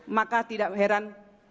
maka tidak heran